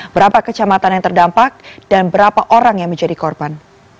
berapa kecamatan yang terdampak dan berapa orang yang menjadi korban